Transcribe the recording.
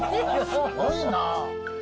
すごいな。